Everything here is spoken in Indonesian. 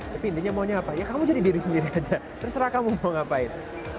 tapi intinya maunya apa ya kamu jadi diri sendiri aja terserah kamu mau ngapain